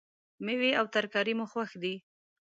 میوې او ترکاری مو خوښ دي